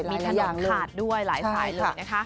มีถนนขาดด้วยหลายสายเลยนะคะค่ะค่ะค่ะ